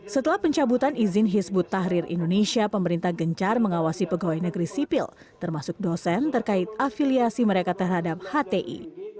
setelah pencabutan izin hizbut tahrir indonesia pemerintah gencar mengawasi pegawai negeri sipil termasuk dosen terkait afiliasi mereka terhadap hti